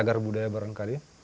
agar budaya barangkali